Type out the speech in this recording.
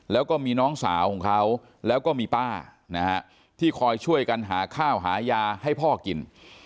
แล้วก็มีน้องสาวของเขาแล้วก็มีป้านะฮะที่คอยช่วยกันหาข้าวหายาให้พ่อกิน